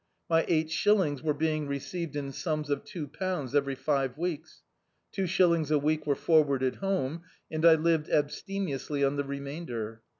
My eight shillings were being received in sums of two pounds every five weeks. Two shillings a week were forwarded home, and I lived abstemiously on the remainder.